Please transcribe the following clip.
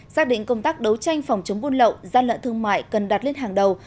giác định công tác đấu tranh phòng chống buôn lậu gian lợn thương mại cần đặt lên hàng đầu